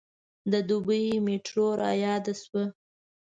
د دبۍ میټرو رایاده شوه.